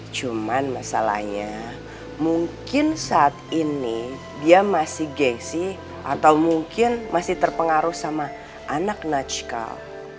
cuman masalahnya mungkin saat ini dia masih gengsi atau mungkin masih terpengaruh sama anak najkal